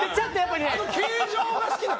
あの形状が好きなの？